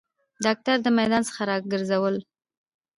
داکتر د میدان څخه راګرځول